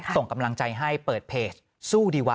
ส่งกำลังใจให้เปิดเพจสู้ดีวะ